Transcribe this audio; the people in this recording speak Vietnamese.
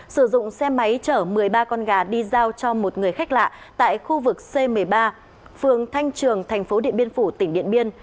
sử dụng xe máy chở một mươi ba con gà đi giao cho một người khách lạ tại khu vực c một mươi ba phường thanh trường thành phố điện biên phủ tỉnh điện biên